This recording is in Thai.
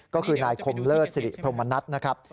ก็คือนายคมเลิศสิริพรมนัฐนะครับ